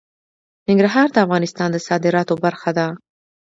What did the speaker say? ننګرهار د افغانستان د صادراتو برخه ده.